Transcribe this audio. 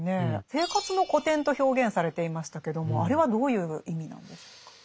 「生活の古典」と表現されていましたけどもあれはどういう意味なんでしょうか。